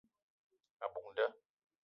A buk nda.